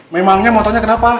memangnya motornya kenapa